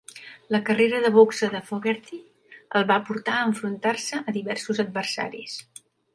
La carrera de boxa de Fogerty el va portar a enfrontant-se a diversos adversaris.